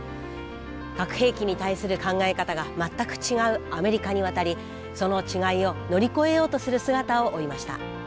核兵器に対する考え方が全く違うアメリカに渡りその違いを乗り越えようとする姿を追いました。